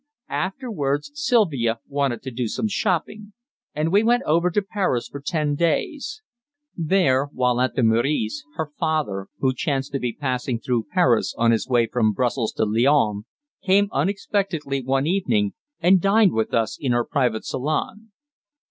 Afterwards, Sylvia wanted to do some shopping, and we went over to Paris for ten days. There, while at the Meurice, her father, who chanced to be passing through Paris on his way from Brussels to Lyons, came unexpectedly one evening and dined with us in our private salon.